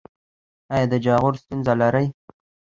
ایا د جاغور ستونزه لرئ؟